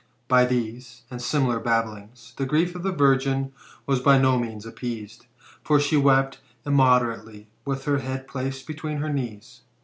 By these, and similar babblings, the gnei of the virgin was by no means appeased : for she wept immodera tely, with her head placed between her knees.